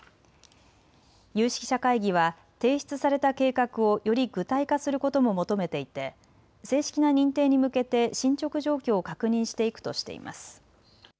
有識者会議は提出された計画をより具体化することも求めていて正式な認定に向けて進捗状況を確認していくとしています。